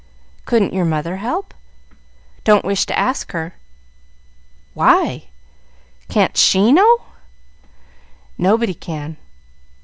"Couldn't your mother help?" "Don't wish to ask her." "Why! can't she know?" "Nobody can."